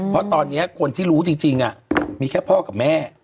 เพราะตอนนี้คนที่รู้จริงมีแค่พ่อกับแม่